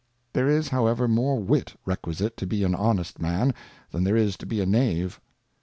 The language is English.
There is however more Wit requisite to be an honest Man, than there is to be a Knave.